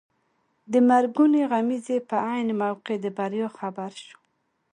د مرګونې غمیزې په عین موقع د بریا خبر شو.